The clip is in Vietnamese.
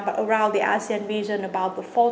nhưng cũng ở khu vực asean về sản phẩm phá hủy